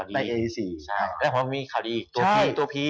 แล้วก็มีข่าวดีอีกทั่วพี่